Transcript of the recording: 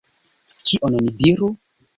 Kion ni diru?